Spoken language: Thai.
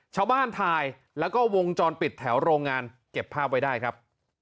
ชาวบ้านถ่ายแล้วก็วงจรปิดแถวโรงงานเก็บภาพไว้ได้ครับ